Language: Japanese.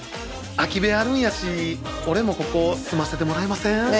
空き部屋あるんやし俺もここ住まわせてもらえません？